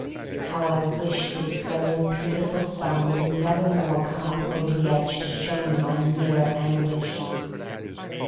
How I wished the yellow, beautiful sun would never more come up over the edge to show me my nearer anguish!